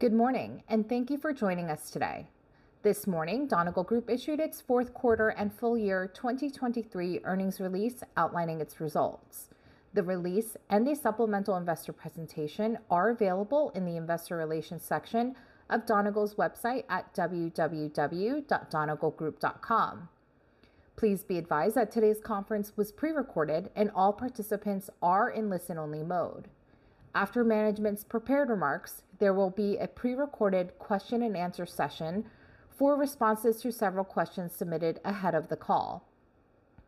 Good morning, and thank you for joining us today. This morning, Donegal Group issued its fourth quarter and full year 2023 earnings release outlining its results. The release and the supplemental investor presentation are available in the investor relations section of Donegal's website at www.donegalgroup.com. Please be advised that today's conference was prerecorded and all participants are in listen-only mode. After management's prepared remarks, there will be a prerecorded question-and-answer session for responses to several questions submitted ahead of the call.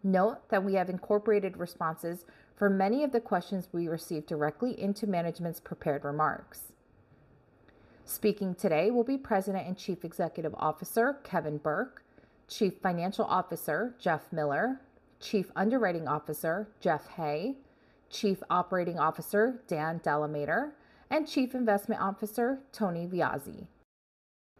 Note that we have incorporated responses for many of the questions we receive directly into management's prepared remarks. Speaking today will be President and Chief Executive Officer Kevin Burke, Chief Financial Officer Jeff Miller, Chief Underwriting Officer Jeff Hay, Chief Operating Officer Dan DeLamater, and Chief Investment Officer Tony Viozzi.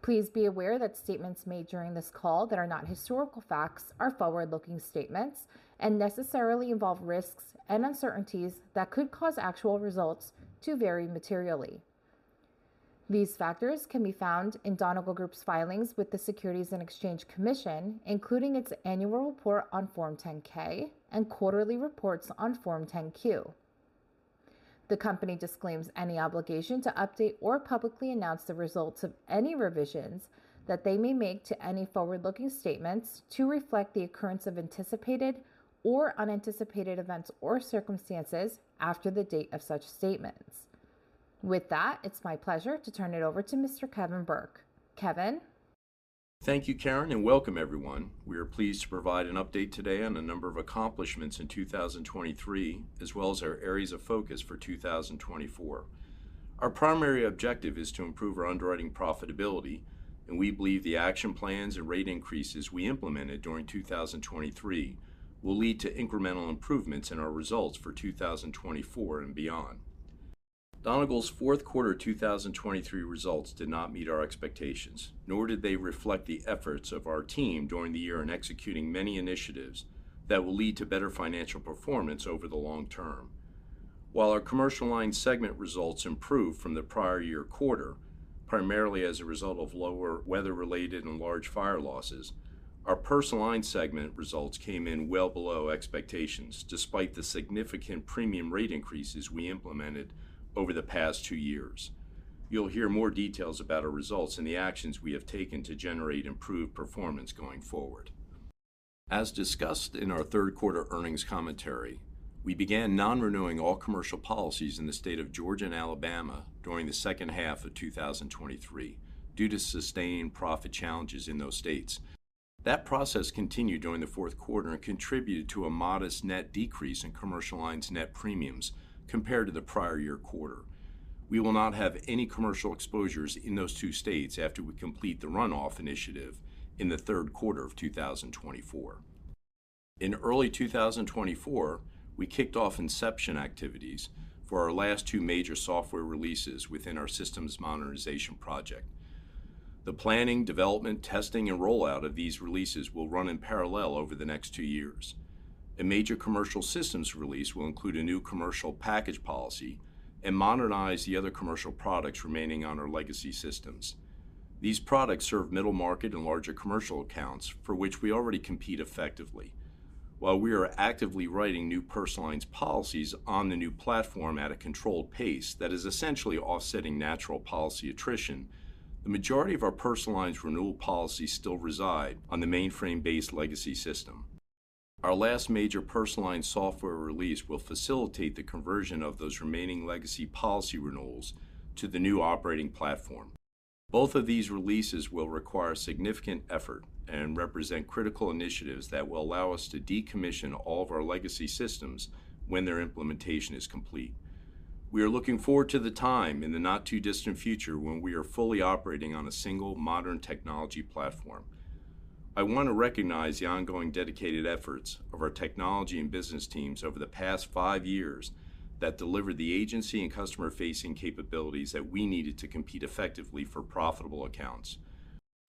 Please be aware that statements made during this call that are not historical facts are forward-looking statements and necessarily involve risks and uncertainties that could cause actual results to vary materially. These factors can be found in Donegal Group's filings with the Securities and Exchange Commission, including its annual report on Form 10-K and quarterly reports on Form 10-Q. The company disclaims any obligation to update or publicly announce the results of any revisions that they may make to any forward-looking statements to reflect the occurrence of anticipated or unanticipated events or circumstances after the date of such statements. With that, it's my pleasure to turn it over to Mr. Kevin Burke. Kevin? Thank you, Karen, and welcome, everyone. We are pleased to provide an update today on a number of accomplishments in 2023 as well as our areas of focus for 2024. Our primary objective is to improve our underwriting profitability, and we believe the action plans and rate increases we implemented during 2023 will lead to incremental improvements in our results for 2024 and beyond. Donegal's fourth quarter 2023 results did not meet our expectations, nor did they reflect the efforts of our team during the year in executing many initiatives that will lead to better financial performance over the long term. While our commercial line segment results improved from the prior year quarter, primarily as a result of lower weather-related and large fire losses, our personal line segment results came in well below expectations despite the significant premium rate increases we implemented over the past two years. You'll hear more details about our results and the actions we have taken to generate improved performance going forward. As discussed in our third quarter earnings commentary, we began non-renewing all commercial policies in the state of Georgia and Alabama during the second half of 2023 due to sustained profit challenges in those states. That process continued during the fourth quarter and contributed to a modest net decrease in commercial lines net premiums compared to the prior year quarter. We will not have any commercial exposures in those two states after we complete the runoff initiative in the third quarter of 2024. In early 2024, we kicked off inception activities for our last two major software releases within our systems modernization project. The planning, development, testing, and rollout of these releases will run in parallel over the next two years. A major commercial systems release will include a new commercial package policy and modernize the other commercial products remaining on our legacy systems. These products serve middle market and larger commercial accounts for which we already compete effectively. While we are actively writing new personal lines policies on the new platform at a controlled pace that is essentially offsetting natural policy attrition, the majority of our personal lines renewal policies still reside on the mainframe-based legacy system. Our last major personal lines software release will facilitate the conversion of those remaining legacy policy renewals to the new operating platform. Both of these releases will require significant effort and represent critical initiatives that will allow us to decommission all of our legacy systems when their implementation is complete. We are looking forward to the time in the not-too-distant future when we are fully operating on a single modern technology platform. I want to recognize the ongoing dedicated efforts of our technology and business teams over the past 5 years that delivered the agency and customer-facing capabilities that we needed to compete effectively for profitable accounts.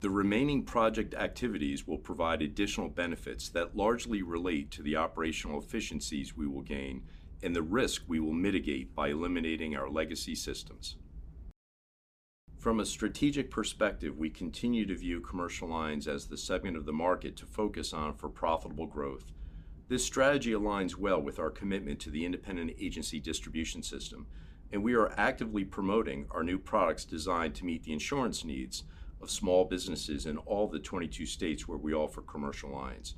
The remaining project activities will provide additional benefits that largely relate to the operational efficiencies we will gain and the risk we will mitigate by eliminating our legacy systems. From a strategic perspective, we continue to view commercial lines as the segment of the market to focus on for profitable growth. This strategy aligns well with our commitment to the independent agency distribution system, and we are actively promoting our new products designed to meet the insurance needs of small businesses in all the 22 states where we offer commercial lines.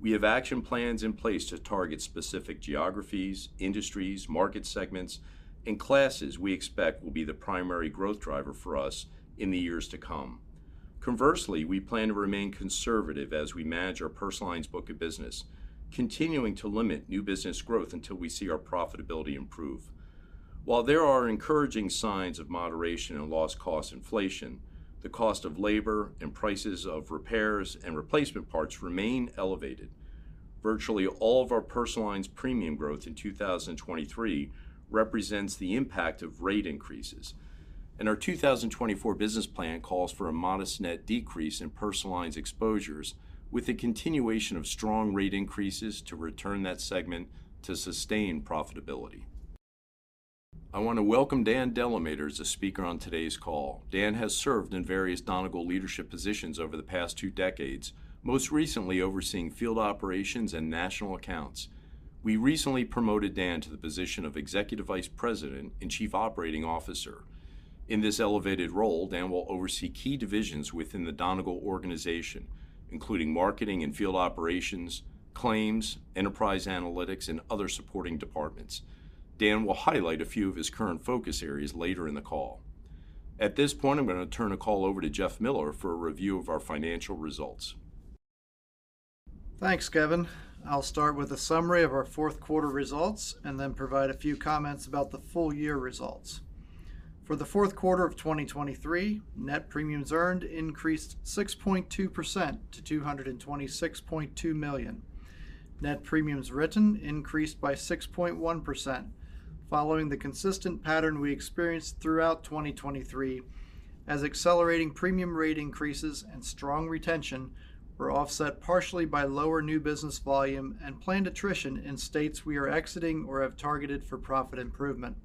We have action plans in place to target specific geographies, industries, market segments, and classes we expect will be the primary growth driver for us in the years to come. Conversely, we plan to remain conservative as we manage our personal lines' book of business, continuing to limit new business growth until we see our profitability improve. While there are encouraging signs of moderation in loss-cost inflation, the cost of labor and prices of repairs and replacement parts remain elevated. Virtually all of our personal lines' premium growth in 2023 represents the impact of rate increases, and our 2024 business plan calls for a modest net decrease in personal lines' exposures with a continuation of strong rate increases to return that segment to sustained profitability. I want to welcome Dan DeLamater as a speaker on today's call. Dan has served in various Donegal leadership positions over the past two decades, most recently overseeing field operations and national accounts. We recently promoted Dan to the position of Executive Vice President and Chief Operating Officer. In this elevated role, Dan will oversee key divisions within the Donegal organization, including marketing and field operations, claims, enterprise analytics, and other supporting departments. Dan will highlight a few of his current focus areas later in the call. At this point, I'm going to turn the call over to Jeff Miller for a review of our financial results. Thanks, Kevin. I'll start with a summary of our fourth quarter results and then provide a few comments about the full year results. For the fourth quarter of 2023, net premiums earned increased 6.2% to $226.2 million. Net premiums written increased by 6.1%, following the consistent pattern we experienced throughout 2023 as accelerating premium rate increases and strong retention were offset partially by lower new business volume and planned attrition in states we are exiting or have targeted for profit improvement.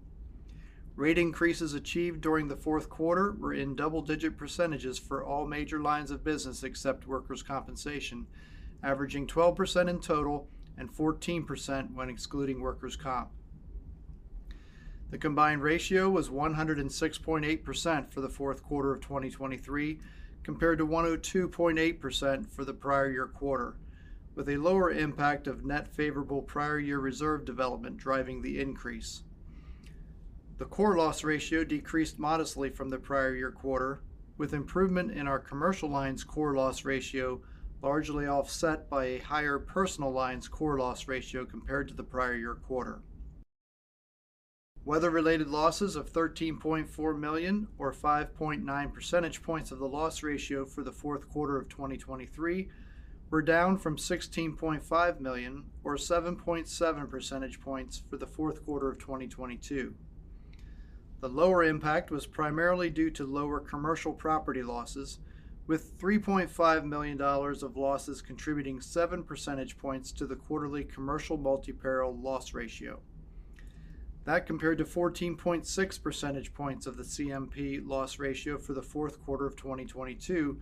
Rate increases achieved during the fourth quarter were in double-digit percentages for all major lines of business except workers' compensation, averaging 12% in total and 14% when excluding workers' comp. The combined ratio was 106.8% for the fourth quarter of 2023 compared to 102.8% for the prior year quarter, with a lower impact of net favorable prior year reserve development driving the increase. The core loss ratio decreased modestly from the prior year quarter, with improvement in our commercial lines core loss ratio largely offset by a higher personal lines core loss ratio compared to the prior year quarter. Weather-related losses of $13.4 million or 5.9 percentage points of the loss ratio for the fourth quarter of 2023 were down from $16.5 million or 7.7 percentage points for the fourth quarter of 2022. The lower impact was primarily due to lower commercial property losses, with $3.5 million of losses contributing 7 percentage points to the quarterly commercial multi-peril loss ratio. That compared to 14.6 percentage points of the CMP loss ratio for the fourth quarter of 2022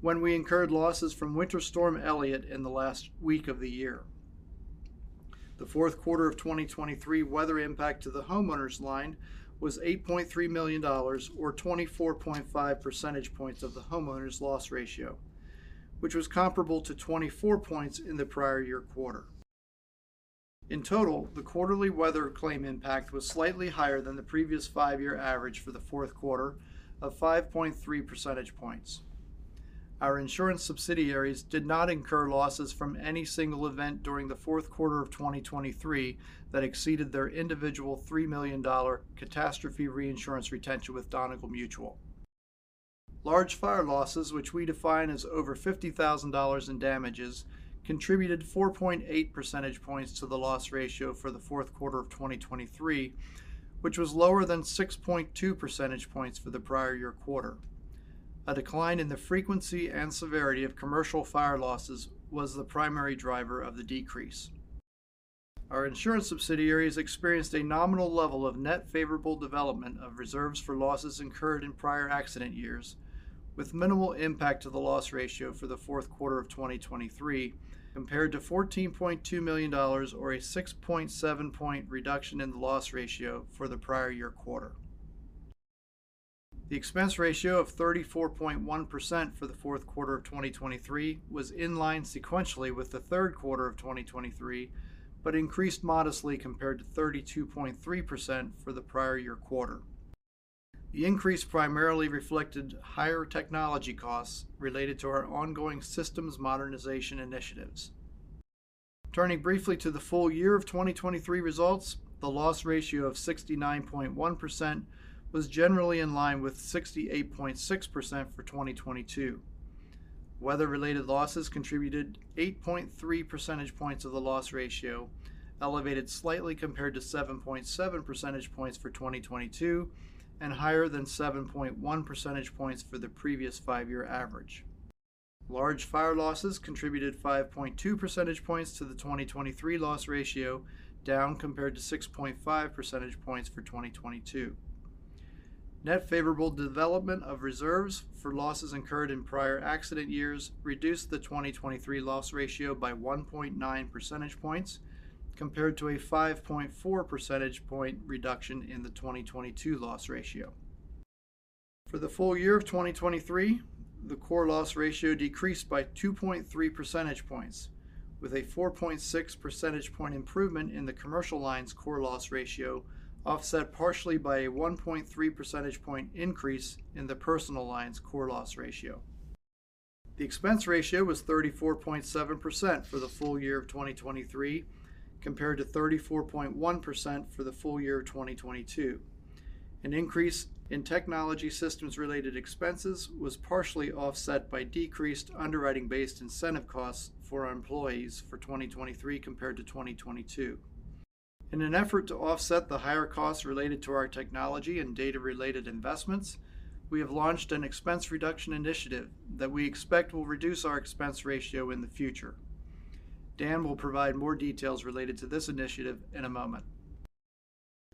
when we incurred losses from Winter Storm Elliott in the last week of the year. The fourth quarter of 2023 weather impact to the homeowners line was $8.3 million or 24.5 percentage points of the homeowners loss ratio, which was comparable to 24 points in the prior year quarter. In total, the quarterly weather claim impact was slightly higher than the previous five-year average for the fourth quarter of 5.3 percentage points. Our insurance subsidiaries did not incur losses from any single event during the fourth quarter of 2023 that exceeded their individual $3 million catastrophe reinsurance retention with Donegal Mutual. Large fire losses, which we define as over $50,000 in damages, contributed 4.8 percentage points to the loss ratio for the fourth quarter of 2023, which was lower than 6.2 percentage points for the prior year quarter. A decline in the frequency and severity of commercial fire losses was the primary driver of the decrease. Our insurance subsidiaries experienced a nominal level of net favorable development of reserves for losses incurred in prior accident years, with minimal impact to the loss ratio for the fourth quarter of 2023 compared to $14.2 million or a 6.7-point reduction in the loss ratio for the prior year quarter. The expense ratio of 34.1% for the fourth quarter of 2023 was in line sequentially with the third quarter of 2023 but increased modestly compared to 32.3% for the prior year quarter. The increase primarily reflected higher technology costs related to our ongoing systems modernization initiatives. Turning briefly to the full year of 2023 results, the loss ratio of 69.1% was generally in line with 68.6% for 2022. Weather-related losses contributed 8.3 percentage points of the loss ratio, elevated slightly compared to 7.7 percentage points for 2022, and higher than 7.1 percentage points for the previous five-year average. Large fire losses contributed 5.2 percentage points to the 2023 loss ratio, down compared to 6.5 percentage points for 2022. Net favorable development of reserves for losses incurred in prior accident years reduced the 2023 loss ratio by 1.9 percentage points compared to a 5.4 percentage point reduction in the 2022 loss ratio. For the full year of 2023, the core loss ratio decreased by 2.3 percentage points, with a 4.6 percentage point improvement in the commercial line's core loss ratio offset partially by a 1.3 percentage point increase in the personal line's core loss ratio. The expense ratio was 34.7% for the full year of 2023 compared to 34.1% for the full year of 2022. An increase in technology systems-related expenses was partially offset by decreased underwriting-based incentive costs for our employees for 2023 compared to 2022. In an effort to offset the higher costs related to our technology and data-related investments, we have launched an expense reduction initiative that we expect will reduce our expense ratio in the future. Dan will provide more details related to this initiative in a moment.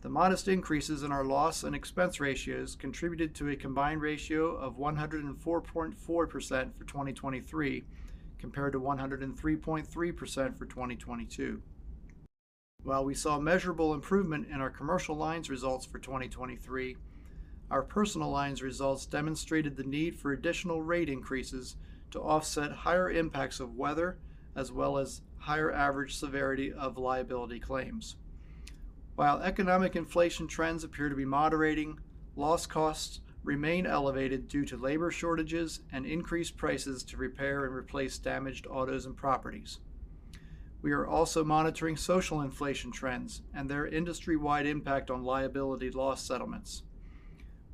The modest increases in our loss and expense ratios contributed to a combined ratio of 104.4% for 2023 compared to 103.3% for 2022. While we saw measurable improvement in our commercial line's results for 2023, our personal line's results demonstrated the need for additional rate increases to offset higher impacts of weather as well as higher average severity of liability claims. While economic inflation trends appear to be moderating, loss costs remain elevated due to labor shortages and increased prices to repair and replace damaged autos and properties. We are also monitoring social inflation trends and their industry-wide impact on liability loss settlements.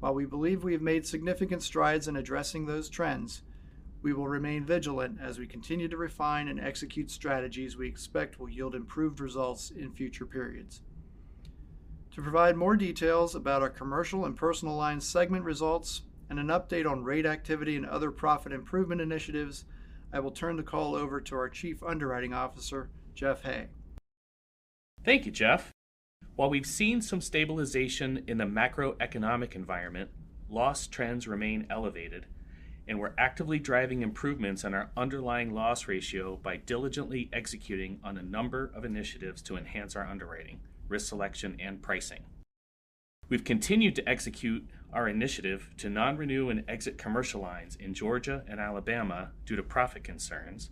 While we believe we have made significant strides in addressing those trends, we will remain vigilant as we continue to refine and execute strategies we expect will yield improved results in future periods. To provide more details about our commercial and personal line segment results and an update on rate activity and other profit improvement initiatives, I will turn the call over to our Chief Underwriting Officer, Jeff Hay. Thank you, Jeff. While we've seen some stabilization in the macroeconomic environment, loss trends remain elevated, and we're actively driving improvements on our underlying loss ratio by diligently executing on a number of initiatives to enhance our underwriting, risk selection, and pricing. We've continued to execute our initiative to non-renew and exit commercial lines in Georgia and Alabama due to profit concerns,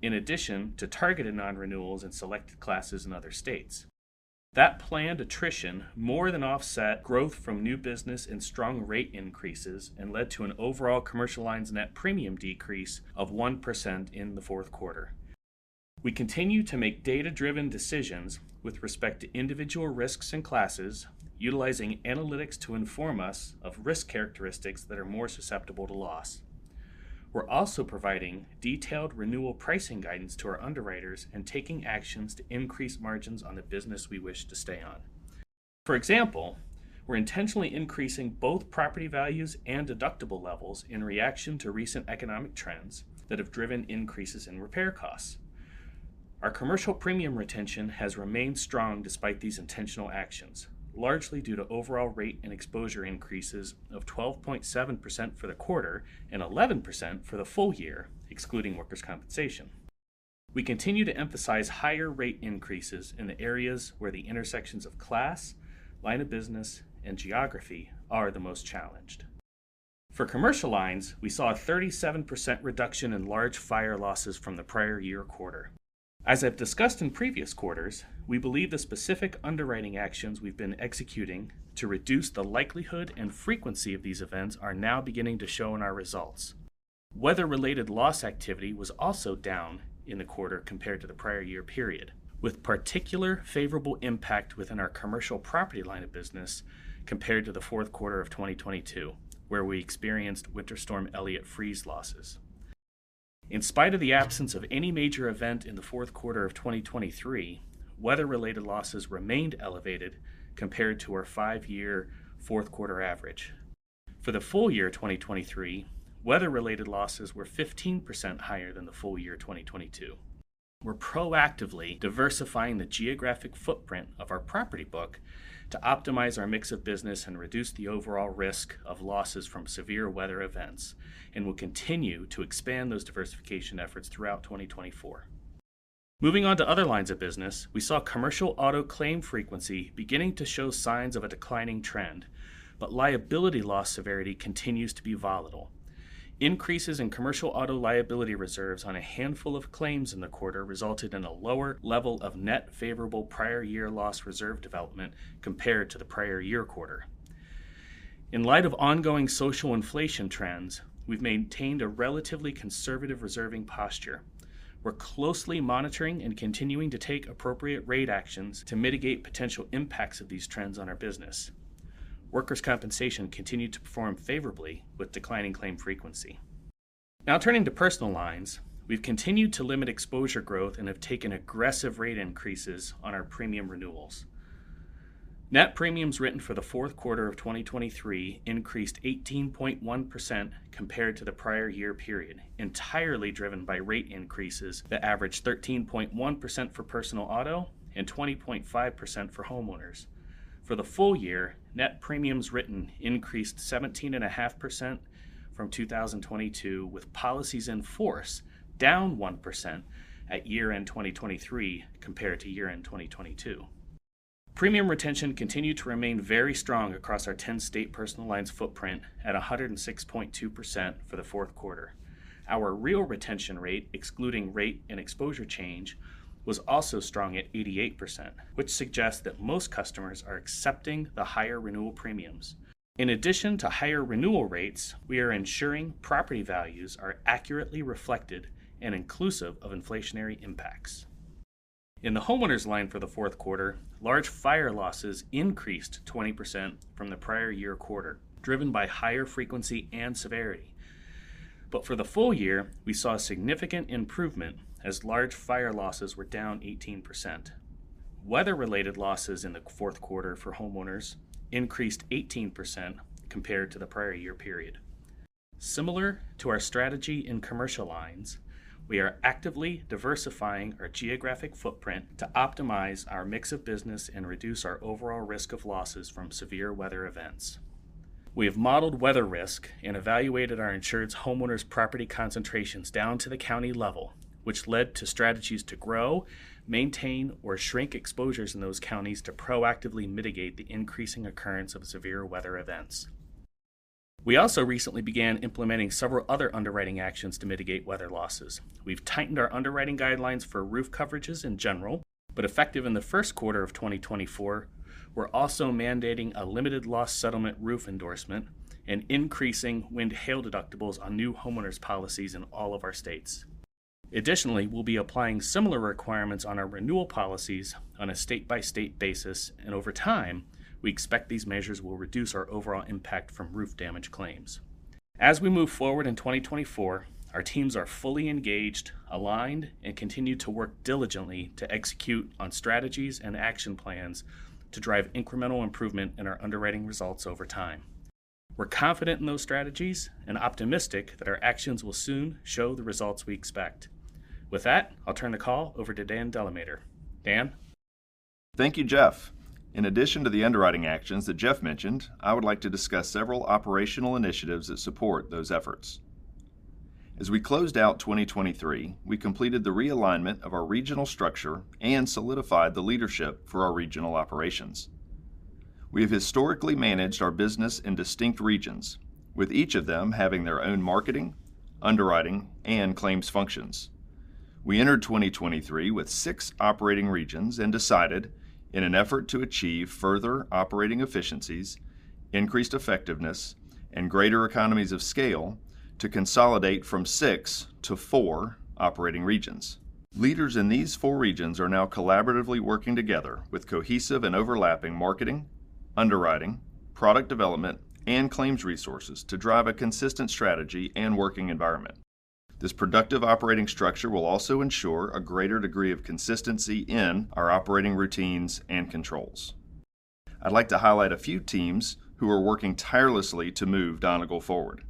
in addition to targeted non-renewals in selected classes in other states. That planned attrition more than offset growth from new business and strong rate increases and led to an overall commercial line's net premium decrease of 1% in the fourth quarter. We continue to make data-driven decisions with respect to individual risks and classes, utilizing analytics to inform us of risk characteristics that are more susceptible to loss. We're also providing detailed renewal pricing guidance to our underwriters and taking actions to increase margins on the business we wish to stay on. For example, we're intentionally increasing both property values and deductible levels in reaction to recent economic trends that have driven increases in repair costs. Our commercial premium retention has remained strong despite these intentional actions, largely due to overall rate and exposure increases of 12.7% for the quarter and 11% for the full year, excluding workers' compensation. We continue to emphasize higher rate increases in the areas where the intersections of class, line of business, and geography are the most challenged. For commercial lines, we saw a 37% reduction in large fire losses from the prior year quarter. As I've discussed in previous quarters, we believe the specific underwriting actions we've been executing to reduce the likelihood and frequency of these events are now beginning to show in our results. Weather-related loss activity was also down in the quarter compared to the prior year period, with particular favorable impact within our commercial property line of business compared to the fourth quarter of 2022, where we experienced Winter Storm Elliott freeze losses. In spite of the absence of any major event in the fourth quarter of 2023, weather-related losses remained elevated compared to our five-year fourth quarter average. For the full year 2023, weather-related losses were 15% higher than the full year 2022. We're proactively diversifying the geographic footprint of our property book to optimize our mix of business and reduce the overall risk of losses from severe weather events, and we'll continue to expand those diversification efforts throughout 2024. Moving on to other lines of business, we saw commercial auto claim frequency beginning to show signs of a declining trend, but liability loss severity continues to be volatile. Increases in commercial auto liability reserves on a handful of claims in the quarter resulted in a lower level of net favorable prior year loss reserve development compared to the prior year quarter. In light of ongoing social inflation trends, we've maintained a relatively conservative reserving posture. We're closely monitoring and continuing to take appropriate rate actions to mitigate potential impacts of these trends on our business. Workers' compensation continued to perform favorably with declining claim frequency. Now turning to personal lines, we've continued to limit exposure growth and have taken aggressive rate increases on our premium renewals. Net premiums written for the fourth quarter of 2023 increased 18.1% compared to the prior year period, entirely driven by rate increases that averaged 13.1% for personal auto and 20.5% for homeowners. For the full year, net premiums written increased 17.5% from 2022, with policies in force down 1% at year-end 2023 compared to year-end 2022. Premium retention continued to remain very strong across our 10-state personal lines' footprint at 106.2% for the fourth quarter. Our real retention rate, excluding rate and exposure change, was also strong at 88%, which suggests that most customers are accepting the higher renewal premiums. In addition to higher renewal rates, we are ensuring property values are accurately reflected and inclusive of inflationary impacts. In the homeowners line for the fourth quarter, large fire losses increased 20% from the prior year quarter, driven by higher frequency and severity. But for the full year, we saw significant improvement as large fire losses were down 18%. Weather-related losses in the fourth quarter for homeowners increased 18% compared to the prior year period. Similar to our strategy in commercial lines, we are actively diversifying our geographic footprint to optimize our mix of business and reduce our overall risk of losses from severe weather events. We have modeled weather risk and evaluated our insured's homeowners property concentrations down to the county level, which led to strategies to grow, maintain, or shrink exposures in those counties to proactively mitigate the increasing occurrence of severe weather events. We also recently began implementing several other underwriting actions to mitigate weather losses. We've tightened our underwriting guidelines for roof coverages in general, but effective in the first quarter of 2024, we're also mandating a limited loss settlement roof endorsement and increasing wind/hail deductibles on new homeowners policies in all of our states. Additionally, we'll be applying similar requirements on our renewal policies on a state-by-state basis, and over time, we expect these measures will reduce our overall impact from roof damage claims. As we move forward in 2024, our teams are fully engaged, aligned, and continue to work diligently to execute on strategies and action plans to drive incremental improvement in our underwriting results over time. We're confident in those strategies and optimistic that our actions will soon show the results we expect. With that, I'll turn the call over to Dan DeLamater. Dan? Thank you, Jeff. In addition to the underwriting actions that Jeff mentioned, I would like to discuss several operational initiatives that support those efforts. As we closed out 2023, we completed the realignment of our regional structure and solidified the leadership for our regional operations. We have historically managed our business in distinct regions, with each of them having their own marketing, underwriting, and claims functions. We entered 2023 with six operating regions and decided, in an effort to achieve further operating efficiencies, increased effectiveness, and greater economies of scale, to consolidate from six to four operating regions. Leaders in these four regions are now collaboratively working together with cohesive and overlapping marketing, underwriting, product development, and claims resources to drive a consistent strategy and working environment. This productive operating structure will also ensure a greater degree of consistency in our operating routines and controls. I'd like to highlight a few teams who are working tirelessly to move Donegal forward.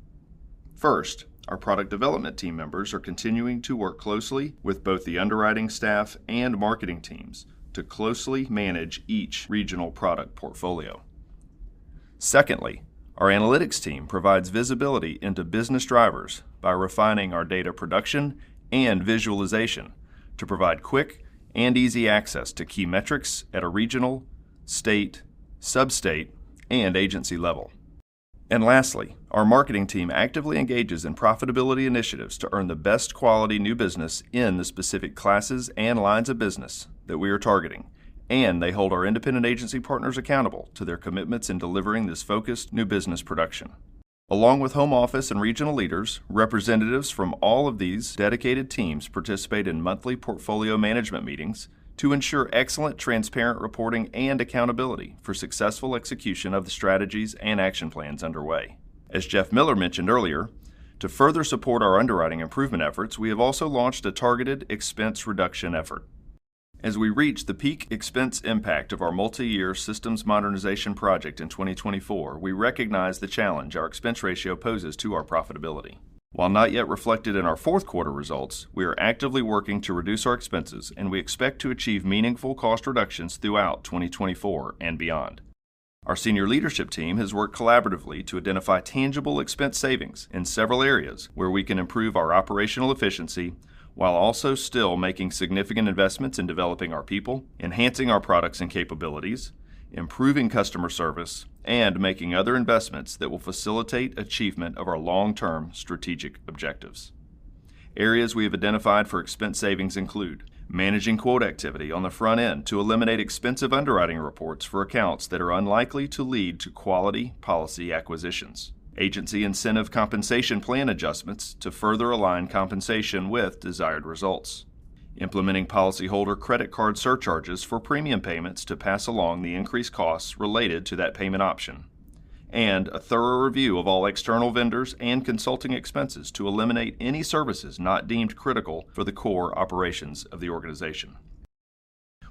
First, our product development team members are continuing to work closely with both the underwriting staff and marketing teams to closely manage each regional product portfolio. Secondly, our analytics team provides visibility into business drivers by refining our data production and visualization to provide quick and easy access to key metrics at a regional, state, substate, and agency level. And lastly, our marketing team actively engages in profitability initiatives to earn the best quality new business in the specific classes and lines of business that we are targeting, and they hold our independent agency partners accountable to their commitments in delivering this focused new business production. Along with home office and regional leaders, representatives from all of these dedicated teams participate in monthly portfolio management meetings to ensure excellent, transparent reporting and accountability for successful execution of the strategies and action plans underway. As Jeff Miller mentioned earlier, to further support our underwriting improvement efforts, we have also launched a targeted expense reduction effort. As we reach the peak expense impact of our multi-year systems modernization project in 2024, we recognize the challenge our expense ratio poses to our profitability. While not yet reflected in our fourth quarter results, we are actively working to reduce our expenses, and we expect to achieve meaningful cost reductions throughout 2024 and beyond. Our senior leadership team has worked collaboratively to identify tangible expense savings in several areas where we can improve our operational efficiency while also still making significant investments in developing our people, enhancing our products and capabilities, improving customer service, and making other investments that will facilitate achievement of our long-term strategic objectives. Areas we have identified for expense savings include managing quote activity on the front end to eliminate expensive underwriting reports for accounts that are unlikely to lead to quality policy acquisitions. Agency incentive compensation plan adjustments to further align compensation with desired results. Implementing policyholder credit card surcharges for premium payments to pass along the increased costs related to that payment option. And a thorough review of all external vendors and consulting expenses to eliminate any services not deemed critical for the core operations of the organization.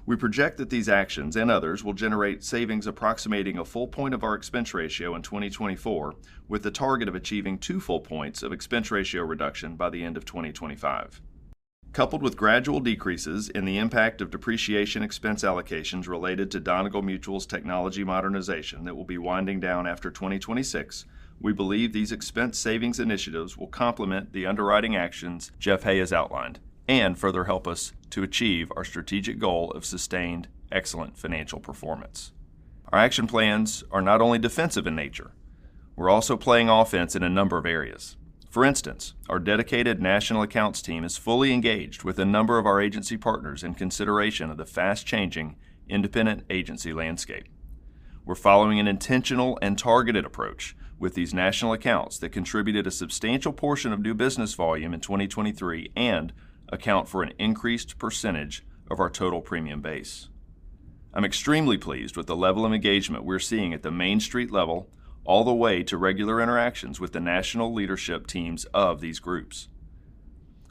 We project that these actions and others will generate savings approximating a full point of our expense ratio in 2024, with the target of achieving two full points of expense ratio reduction by the end of 2025. Coupled with gradual decreases in the impact of depreciation expense allocations related to Donegal Mutual's technology modernization that will be winding down after 2026, we believe these expense savings initiatives will complement the underwriting actions Jeff Hay has outlined and further help us to achieve our strategic goal of sustained excellent financial performance. Our action plans are not only defensive in nature. We're also playing offense in a number of areas. For instance, our dedicated national accounts team is fully engaged with a number of our agency partners in consideration of the fast-changing independent agency landscape. We're following an intentional and targeted approach with these national accounts that contributed a substantial portion of new business volume in 2023 and account for an increased percentage of our total premium base. I'm extremely pleased with the level of engagement we're seeing at the Main Street level all the way to regular interactions with the national leadership teams of these groups.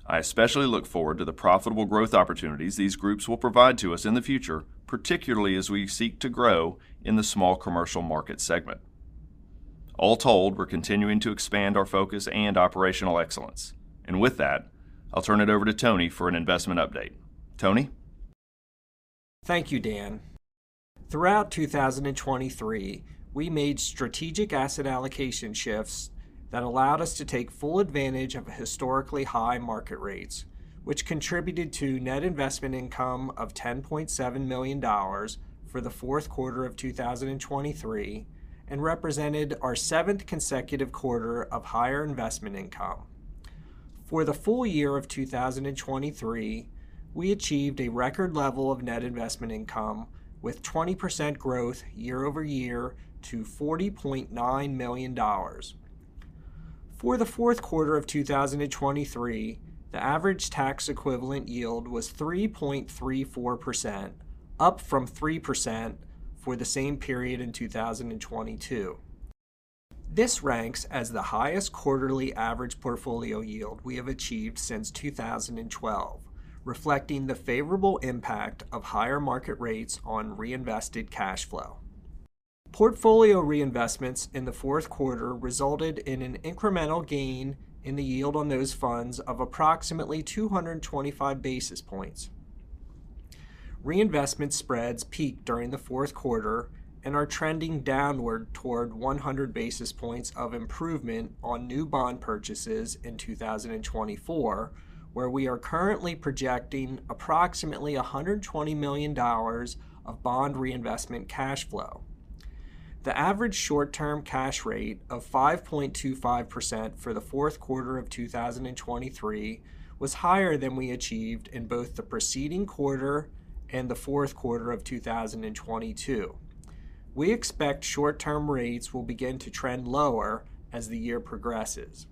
I especially look forward to the profitable growth opportunities these groups will provide to us in the future, particularly as we seek to grow in the small commercial market segment. All told, we're continuing to expand our focus and operational excellence. And with that, I'll turn it over to Tony for an investment update. Tony? Thank you, Dan. Throughout 2023, we made strategic asset allocation shifts that allowed us to take full advantage of historically high market rates, which contributed to net investment income of $10.7 million for the fourth quarter of 2023 and represented our seventh consecutive quarter of higher investment income. For the full year of 2023, we achieved a record level of net investment income with 20% growth year-over-year to $40.9 million. For the fourth quarter of 2023, the average tax equivalent yield was 3.34%, up from 3% for the same period in 2022. This ranks as the highest quarterly average portfolio yield we have achieved since 2012, reflecting the favorable impact of higher market rates on reinvested cash flow. Portfolio reinvestments in the fourth quarter resulted in an incremental gain in the yield on those funds of approximately 225 basis points. Reinvestment spreads peaked during the fourth quarter and are trending downward toward 100 basis points of improvement on new bond purchases in 2024, where we are currently projecting approximately $120 million of bond reinvestment cash flow. The average short-term cash rate of 5.25% for the fourth quarter of 2023 was higher than we achieved in both the preceding quarter and the fourth quarter of 2022. We expect short-term rates will begin to trend lower as the year progresses.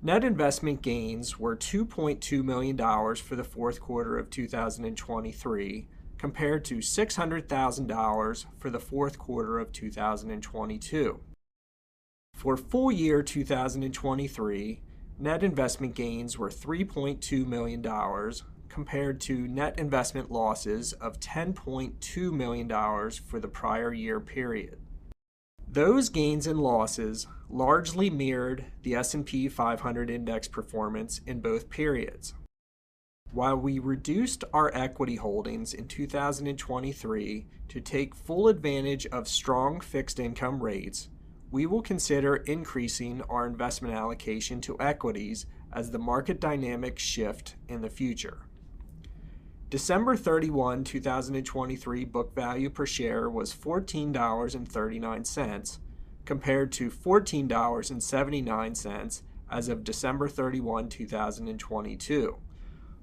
Net investment gains were $2.2 million for the fourth quarter of 2023 compared to $600,000 for the fourth quarter of 2022. For full year 2023, net investment gains were $3.2 million compared to net investment losses of $10.2 million for the prior year period. Those gains and losses largely mirrored the S&P 500 index performance in both periods. While we reduced our equity holdings in 2023 to take full advantage of strong fixed income rates, we will consider increasing our investment allocation to equities as the market dynamics shift in the future. December 31, 2023, Book value per share was $14.39 compared to $14.79 as of December 31, 2022,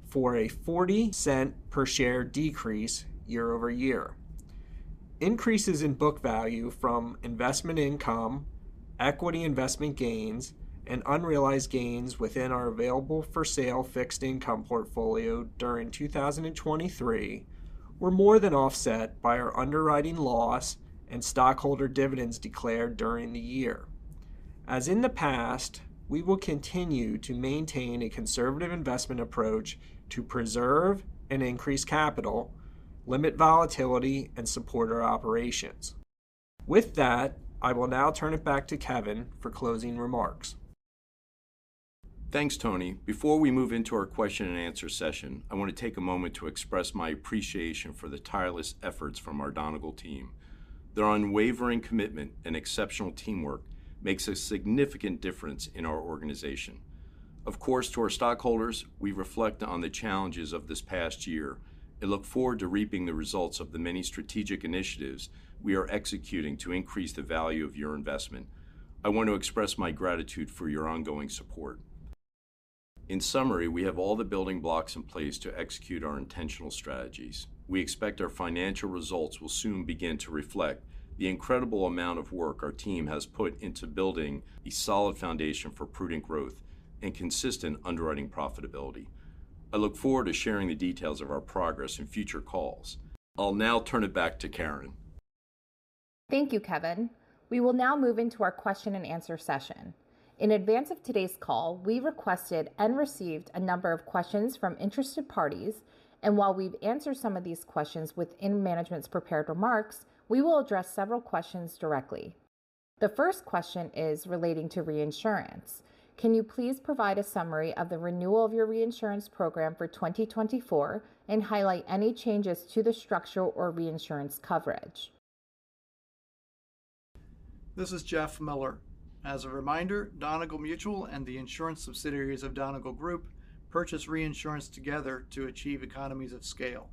for a $0.40 per share decrease year-over-year. Increases in book value from investment income, equity investment gains, and unrealized gains within our Available-for-sale fixed income portfolio during 2023 were more than offset by our underwriting loss and stockholder dividends declared during the year. As in the past, we will continue to maintain a conservative investment approach to preserve and increase capital, limit volatility, and support our operations. With that, I will now turn it back to Kevin for closing remarks. Thanks, Tony. Before we move into our question-and-answer session, I want to take a moment to express my appreciation for the tireless efforts from our Donegal team. Their unwavering commitment and exceptional teamwork make a significant difference in our organization. Of course, to our stockholders, we reflect on the challenges of this past year and look forward to reaping the results of the many strategic initiatives we are executing to increase the value of your investment. I want to express my gratitude for your ongoing support. In summary, we have all the building blocks in place to execute our intentional strategies. We expect our financial results will soon begin to reflect the incredible amount of work our team has put into building a solid foundation for prudent growth and consistent underwriting profitability. I look forward to sharing the details of our progress in future calls. I'll now turn it back to Karen. Thank you, Kevin. We will now move into our question-and-answer session. In advance of today's call, we requested and received a number of questions from interested parties, and while we've answered some of these questions within management's prepared remarks, we will address several questions directly. The first question is relating to reinsurance. Can you please provide a summary of the renewal of your reinsurance program for 2024 and highlight any changes to the structure or reinsurance coverage? This is Jeff Miller. As a reminder, Donegal Mutual and the insurance subsidiaries of Donegal Group purchase reinsurance together to achieve economies of scale.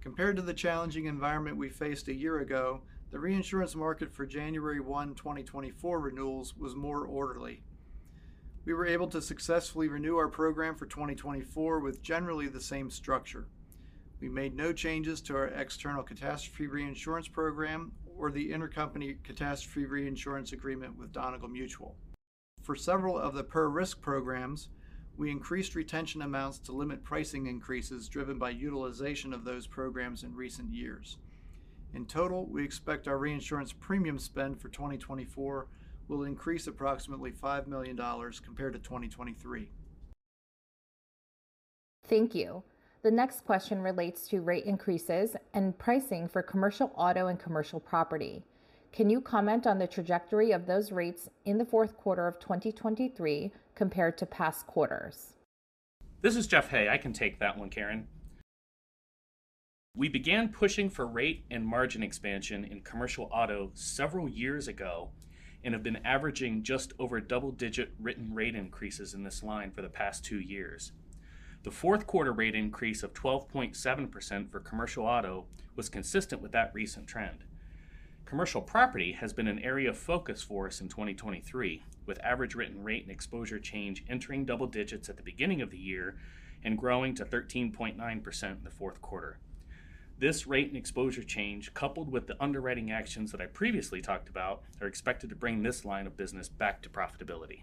Compared to the challenging environment we faced a year ago, the reinsurance market for January 1, 2024, renewals was more orderly. We were able to successfully renew our program for 2024 with generally the same structure. We made no changes to our external catastrophe reinsurance program or the intercompany catastrophe reinsurance agreement with Donegal Mutual. For several of the per-risk programs, we increased retention amounts to limit pricing increases driven by utilization of those programs in recent years. In total, we expect our reinsurance premium spend for 2024 will increase approximately $5 million compared to 2023. Thank you. The next question relates to rate increases and pricing for commercial auto and commercial property. Can you comment on the trajectory of those rates in the fourth quarter of 2023 compared to past quarters? This is Jeff Hay. I can take that one, Karen. We began pushing for rate and margin expansion in commercial auto several years ago and have been averaging just over double-digit written rate increases in this line for the past two years. The fourth quarter rate increase of 12.7% for commercial auto was consistent with that recent trend. Commercial property has been an area of focus for us in 2023, with average written rate and exposure change entering double digits at the beginning of the year and growing to 13.9% in the fourth quarter. This rate and exposure change, coupled with the underwriting actions that I previously talked about, are expected to bring this line of business back to profitability.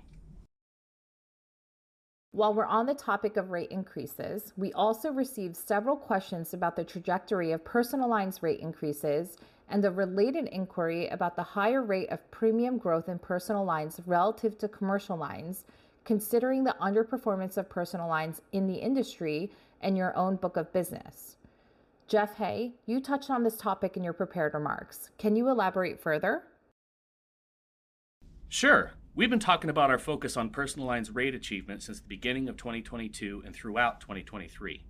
While we're on the topic of rate increases, we also received several questions about the trajectory of personal lines rate increases and the related inquiry about the higher rate of premium growth in personal lines relative to commercial lines, considering the underperformance of personal lines in the industry and your own book of business. Jeff Hay, you touched on this topic in your prepared remarks. Can you elaborate further? Sure. We've been talking about our focus on personal lines rate achievement since the beginning of 2022 and throughout 2023.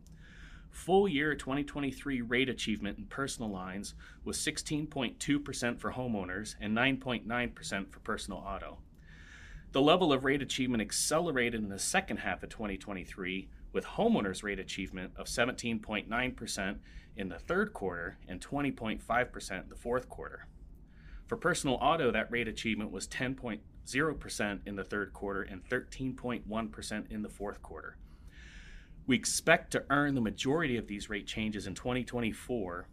Full year 2023 rate achievement in personal lines was 16.2% for homeowners and 9.9% for personal auto. The level of rate achievement accelerated in the second half of 2023, with homeowners rate achievement of 17.9% in the third quarter and 20.5% in the fourth quarter. For personal auto, that rate achievement was 10.0% in the third quarter and 13.1% in the fourth quarter. We expect to earn the majority of these rate changes in 2024,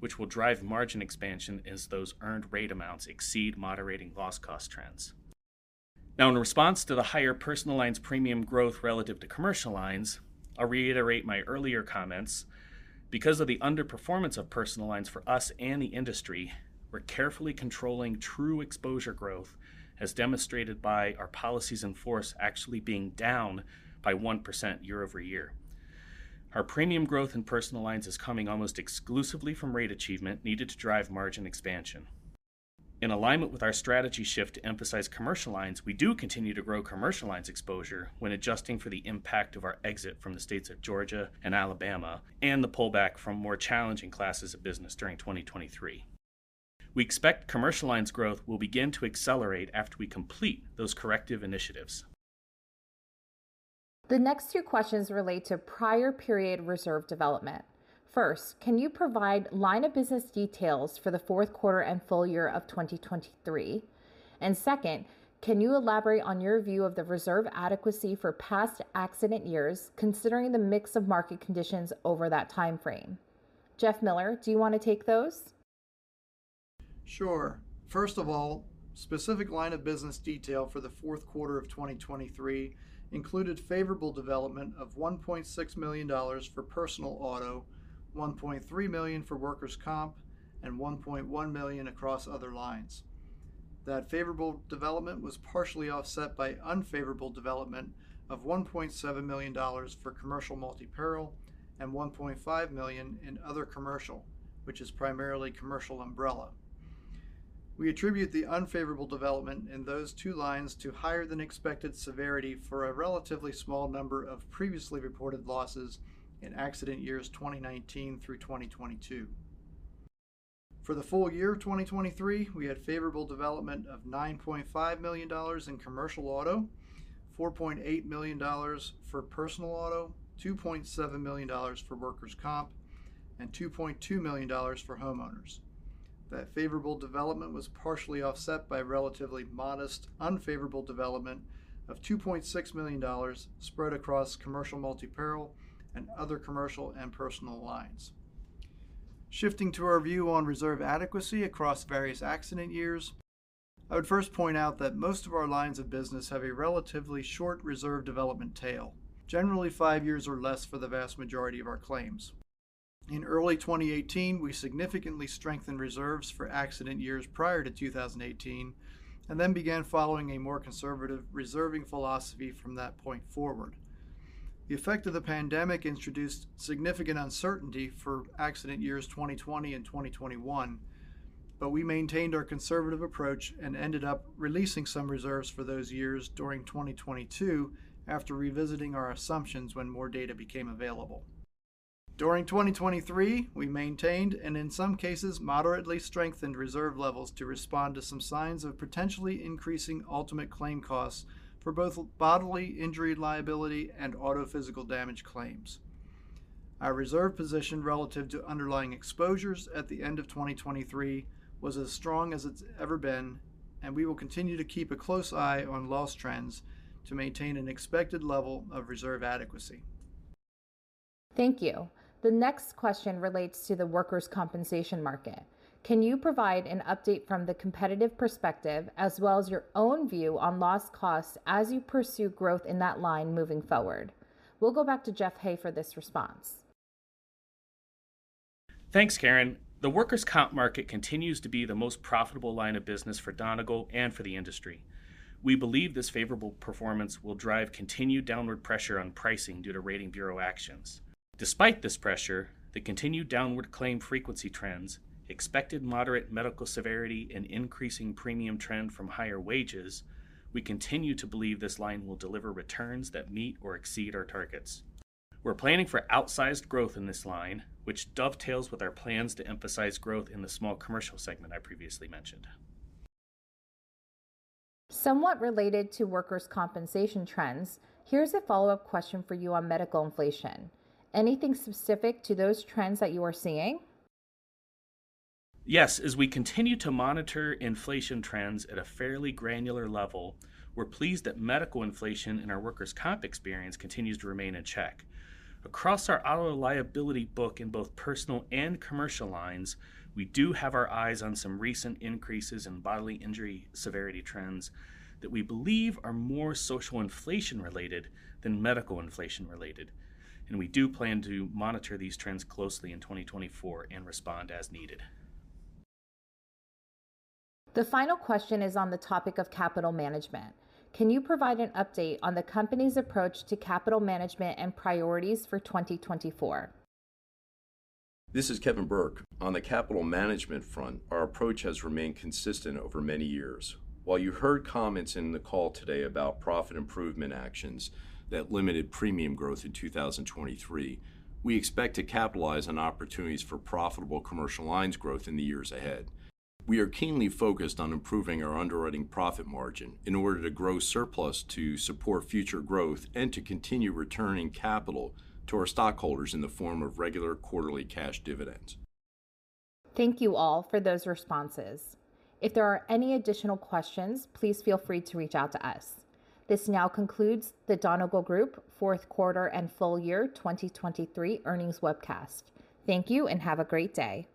which will drive margin expansion as those earned rate amounts exceed moderating loss-cost trends. Now, in response to the higher personal lines premium growth relative to commercial lines, I'll reiterate my earlier comments. Because of the underperformance of personal lines for us and the industry, we're carefully controlling true exposure growth, as demonstrated by our policies in force actually being down by 1% year-over-year. Our premium growth in personal lines is coming almost exclusively from rate achievement needed to drive margin expansion. In alignment with our strategy shift to emphasize commercial lines, we do continue to grow commercial lines exposure when adjusting for the impact of our exit from the states of Georgia and Alabama and the pullback from more challenging classes of business during 2023. We expect commercial lines growth will begin to accelerate after we complete those corrective initiatives. The next two questions relate to prior period reserve development. First, can you provide line of business details for the fourth quarter and full year of 2023? And second, can you elaborate on your view of the reserve adequacy for past accident years, considering the mix of market conditions over that time frame? Jeff Miller, do you want to take those? Sure. First of all, specific line of business detail for the fourth quarter of 2023 included favorable development of $1.6 million for personal auto, $1.3 million for workers' comp, and $1.1 million across other lines. That favorable development was partially offset by unfavorable development of $1.7 million for commercial multi-peril and $1.5 million in other commercial, which is primarily commercial umbrella. We attribute the unfavorable development in those two lines to higher-than-expected severity for a relatively small number of previously reported losses in accident years 2019 through 2022. For the full year of 2023, we had favorable development of $9.5 million in commercial auto, $4.8 million for personal auto, $2.7 million for workers' comp, and $2.2 million for homeowners. That favorable development was partially offset by relatively modest unfavorable development of $2.6 million spread across commercial multi-peril and other commercial and personal lines. Shifting to our view on reserve adequacy across various accident years, I would first point out that most of our lines of business have a relatively short reserve development tail, generally five years or less for the vast majority of our claims. In early 2018, we significantly strengthened reserves for accident years prior to 2018 and then began following a more conservative reserving philosophy from that point forward. The effect of the pandemic introduced significant uncertainty for accident years 2020 and 2021, but we maintained our conservative approach and ended up releasing some reserves for those years during 2022 after revisiting our assumptions when more data became available. During 2023, we maintained and in some cases moderately strengthened reserve levels to respond to some signs of potentially increasing ultimate claim costs for both bodily injury liability and auto physical damage claims. Our reserve position relative to underlying exposures at the end of 2023 was as strong as it's ever been, and we will continue to keep a close eye on loss trends to maintain an expected level of reserve adequacy. Thank you. The next question relates to the workers' compensation market. Can you provide an update from the competitive perspective as well as your own view on loss costs as you pursue growth in that line moving forward? We'll go back to Jeff Hay for this response. Thanks, Karen. The workers' comp market continues to be the most profitable line of business for Donegal and for the industry. We believe this favorable performance will drive continued downward pressure on pricing due to Rating Bureau actions. Despite this pressure, the continued downward claim frequency trends, expected moderate medical severity, and increasing premium trend from higher wages, we continue to believe this line will deliver returns that meet or exceed our targets. We're planning for outsized growth in this line, which dovetails with our plans to emphasize growth in the small commercial segment I previously mentioned. Somewhat related to workers' compensation trends, here's a follow-up question for you on medical inflation. Anything specific to those trends that you are seeing? Yes, as we continue to monitor inflation trends at a fairly granular level, we're pleased that medical inflation in our workers' comp experience continues to remain in check. Across our auto liability book in both personal and commercial lines, we do have our eyes on some recent increases in bodily injury severity trends that we believe are more social inflation-related than medical inflation-related, and we do plan to monitor these trends closely in 2024 and respond as needed. The final question is on the topic of capital management. Can you provide an update on the company's approach to capital management and priorities for 2024? This is Kevin Burke. On the capital management front, our approach has remained consistent over many years. While you heard comments in the call today about profit improvement actions that limited premium growth in 2023, we expect to capitalize on opportunities for profitable commercial lines growth in the years ahead. We are keenly focused on improving our underwriting profit margin in order to grow surplus to support future growth and to continue returning capital to our stockholders in the form of regular quarterly cash dividends. Thank you all for those responses. If there are any additional questions, please feel free to reach out to us. This now concludes the Donegal Group fourth quarter and full year 2023 earnings webcast. Thank you and have a great day.